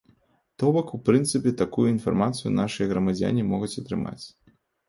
То бок, у прынцыпе такую інфармацыю нашыя грамадзяне могуць атрымаць.